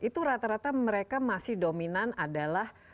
itu rata rata mereka masih dominan adalah